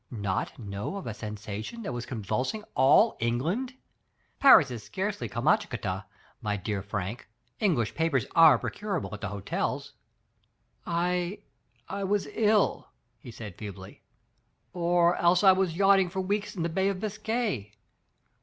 *' "Not know of a sensation that was convulsing all England? Paris is scarcely Kamschatka, my dear Frank. English papers are procurable at the hotels." *'I — I was ill," he said feebly, "or else I was yachting for weeks in the Bay of Biscay.